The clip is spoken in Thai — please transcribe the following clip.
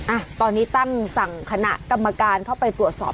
อ่ะตอนนี้ตั้งสั่งคณะกรรมการเข้าไปตรวจสอบ